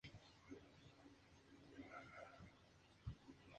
Ubicado al pie de las últimas estribaciones al este de la Sierra de Alcubierre.